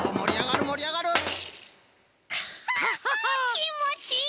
きもちいい！